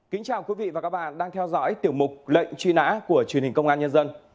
kính chào quý vị và các bạn đang theo dõi tiểu mục lệnh truy nã của truyền hình công an nhân dân